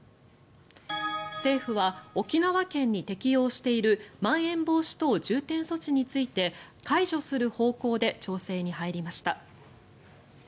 政府は沖縄県に適用しているまん延防止等重点措置について解除する方向で調整に入りました。